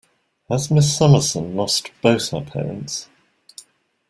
Has Miss Summerson lost both her parents?